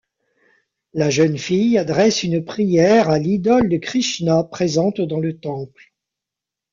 La jeune fille adresse une prière à l'idole de Krishna présente dans le temple.